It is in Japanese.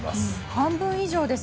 半分以上です。